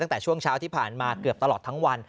ตั้งแต่ช่วงเช้าที่ผ่านมาเกือบตลอดทั้งวัน